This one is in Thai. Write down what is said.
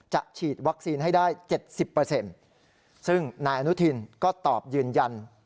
ฉีดวัคซีนให้ได้๗๐ซึ่งนายอนุทินก็ตอบยืนยัน